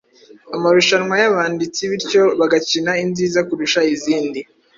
amarushanway’abanditsi bityo bagakina inziza kurusha izindi.